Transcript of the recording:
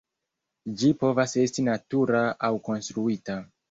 Ĝi povas esti natura aŭ konstruita.